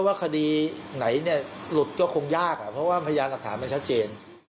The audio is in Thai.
ว่าคดีไหนเนี่ยหลุดก็คงยากเพราะว่าพยานหลักฐานมันชัดเจน